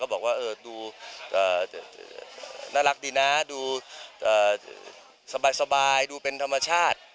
บอกว่าดูน่ารักดีนะดูสบายดูเป็นธรรมชาติ